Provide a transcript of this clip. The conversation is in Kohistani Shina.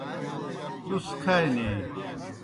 تُس کھانیئی۔